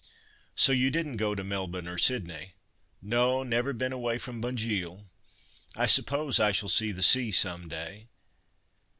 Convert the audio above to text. "So you didn't go to Melbourne, or Sydney?" "No! Never been away from Bunjil. I suppose I shall see the sea some day."